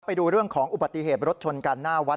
ไปดูเรื่องของอุบัติเหตุรถชนกันหน้าวัด